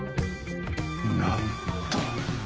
なんと！